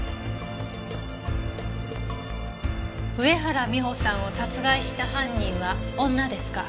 上原美帆さんを殺害した犯人は女ですか。